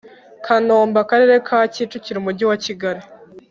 Kanombe Akarere ka Kicukiro Umujyi wa kigali